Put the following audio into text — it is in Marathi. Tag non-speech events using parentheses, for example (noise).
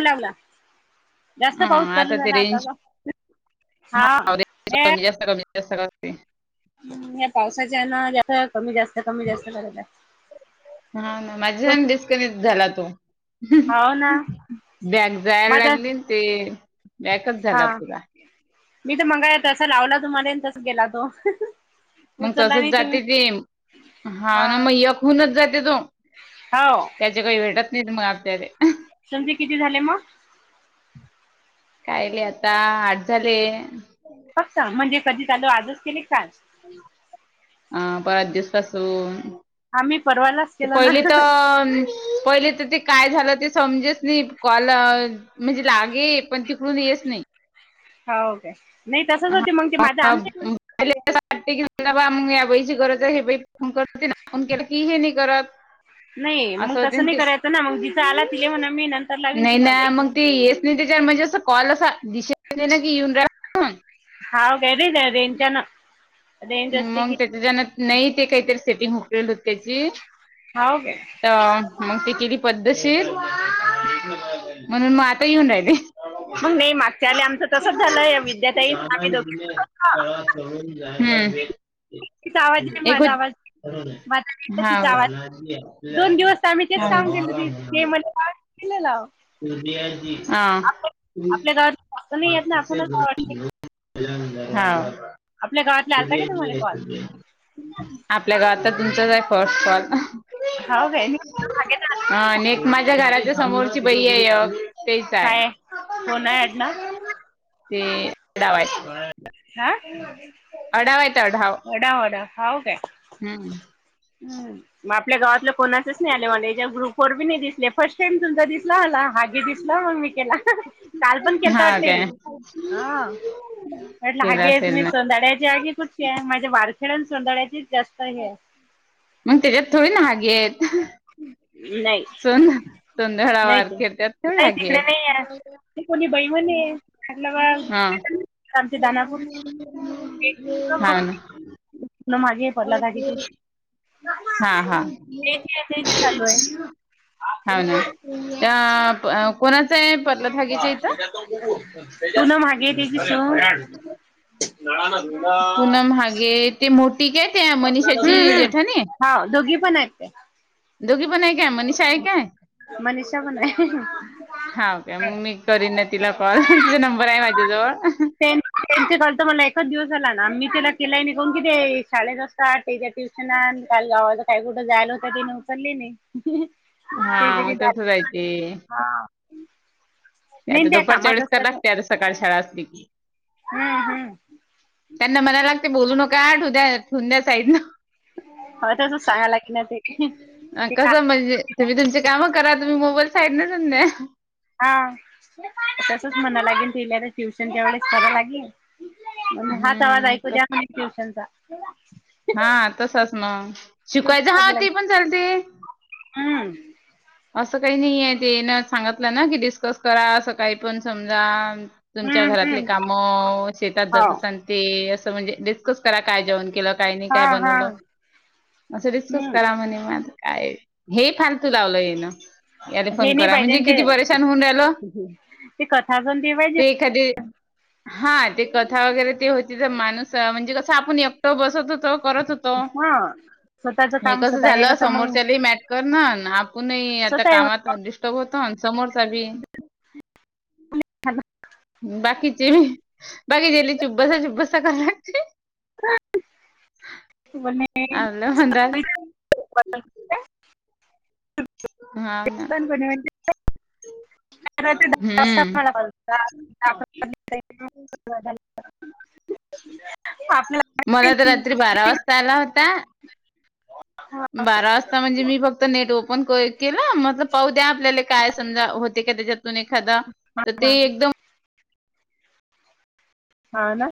लावला जास्त हा पाऊस चालू ते झाला आता, रेंज (unintelligible) हा ए ते सगळं फ्री आहे. ह्या पावसाच्यान जे आता कमी जास्त कमी जास्त करत आहे. हा ना माझ्याच्यान डिस्कनेक्ट झाला तो हुं हाव ना बॅग जायला माझा लागली ते पॅकच हा झाला पुरा. मी तर मंगळ (unintelligible) तसं लावला (unintelligible) तसं गेला तो हं हं मग तसच जाते ते हा ना मग यक हूनच जाते तो हो त्याचे काही भेटत नाहीत मग आपल्याले ती झाले मग, काय ले आता आठ झाले, फक्त म्हणजे कधी झालं आजच केले काय आ बऱ्याच दिवस पासून आम्ही परवालाच केलं ना पहिलीत अन पहिलीत तर ते काय झालं ते समजेच नाहीत कॉल म्हणजे लागे पण तिकडून येच नाही. हो का नाही तसच हा होते मग ते माझ्या आमच्या (unintelligible) वाटते की (unintelligible) मग या बाईची गरज आहे हे बाई फोन करते ना फोन केला की हे नाही करत (inaudible) नाही मग असं होते तसं न नाही ते करायचं ना मग जिचा आला तिले म्हणा मी नंतर लावीन नाय ना तुम्हाला मग ते ये नाही त्याच्या म्हणजे अस कॉल असा (inaudible) ना की येऊन राहिला. म्हणून. हाव घरीच आहे रेंजान मग त्याच्याच्यान नाही ते काहीतरी सेटिंग हुकलेली होती त्याची हाव काय? मग ती केली पद्धतशीर म्हणून मग आता येऊन राहिली. मग नाही मागच्या आले आमचं तसच झालंय विद्याताई आम्ही दोघी हम्म. तिथं आवाज येत नाही एक माझा होत आवाज मग आता तिथं हा तिचा आवाज दोन दिवस आम्ही तेच त्या सांगुन गेलो ते म्हणे पाच किलो लाव हा. आपल्या आपल्या गावात जास्त नाही येत ना आपणच वाटते हा. आपल्या गावातला आलता का तुम्हाला कॉल आपल्या गावात तर तुमचच आहे फर्स्ट कॉल हाव का आणि (inaudible) एक माझ्या घराच्या समोरची बाई आहे तेच आहे. काय कोण आहे अडनाव तेवा हा अढावा येत अढावा वडा वडा हाव काय हम्म मग आपल्या गावातलं कोणासच नाही आले म्ह याच्या ग्रुप वर बी नाही दिसले. फर्स्ट टाईम तुमचा दिसला मला हगी दिसला मग मी केला काल पण केलता हा वाटते काय मी केला म्हटले (inaudible) असेल तुम्ही ना सोधाड्याचे आहेगे कुठ माझ्या वारखेड्या सोंदाड्याचीच जास्त हे मग त्याच्यात थोडी नाहाग आहेतेत नाही. सोंधळा नाही ते वारके त्यात नाही तेवड्या तिकडे घेेत नाही आहे ते कोणी बाई हा कामचे दानापूर हा ना मागे हे पडला किती हा हा चालू हा ना आहे या प अ कोणाच आहे पडलं भाागीच्या इथं पुन्हा मागे त्याची सून पूनम हागे ते मोठी काय त्या हम्म मनिषाची हम्म जेठाणी हा दोघी पण आहेत ते दोघी पण आहे काय मनीष आहे काय मनीषा पण आहे हा ओके मग मी करीन ना तिला कॉल तिचा नंबर आहे माझ्या जवळ लत मला ए एकच दिवसाला ना आम्ही त्याला केलाय निघून कि ते शाळेत का त्याच्या ट्युशनान काल गावाच काही कुठं जायला होतं ते नवसले नाही हा ते मग तसं जायचे हा ते नाही आता त्या दुपार कामात चाळीस का असतात लागते आता सकाळी शाळा असतेी हम्म हम्म त्यांना मनाला लागते बोलू नका ठुद्या ठुंद्या साईडन हो तसच सांगा लागेल ना ते अ ते का कस म्हणजे तुम्ही तुमचे कामं करा तुम्ही मोबाईल साईड नून हा तसच म्हणा लागेल तल्या तर ट्युशनच्या वेळेस कराव लागेल हाच आवाज ऐकू हम्म द्या ट्युशनचा हा तसच मग शिकवायचं हा ती पण चालते हम्म असं काही नाहीय ते न सांगितलं ना की डिस्कस करा असं काळी पण समजा तुमच्या हम्म घरातले हम्म काम शेतात हो जात अस आणि ते असं म्हणजे कस करा काय जेण केलं काही नाही हा काय हा बनवलं असं डिस्कस हम्म करा म्हणे मझ काय हे फालतू लावलं ये ना याला हे फोन नाही करा पाहिजे म्हणजे न ते किती परेशान होऊन राहिल ते कथा पण पाहिजे ते एखादी हा ते कथा वगैरे ते होती तर माणूस म्हणजे कसं आपण एकटो बसत होतो करत होतो हा स्वतःच हे काम कस स्वतः हे झालं कसं मग समोरच्या मॅटकर ना आप नाही आता स्वतः आहे होत. कामात डिस्टर्ब होतो समोरचा भी बाकीची म बाकी जेली चुब्बसा चुब्बसा क लागते बोलणे आलं म्हणंदात (inaudible) हा ना हम्म सा मिळा (unintelligible) आप मला तर रात्री बारा वाजता आला होता बारा वाजता म्हणजे मी फक्त नेट ओपन केला मतल पाहू द्या आपल्याला काय समजा होते का त्याच्यात एखादा तर ते हा एकदम हा ना